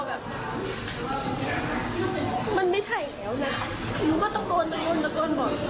แค่ทำมานั่งคอมเมนต์บนเตียงน่ะ